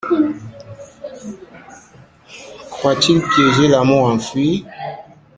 Croit-il piéger l’amour enfui?